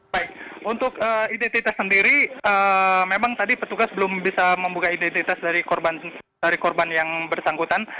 baik untuk identitas sendiri memang tadi petugas belum bisa membuka identitas dari korban yang bersangkutan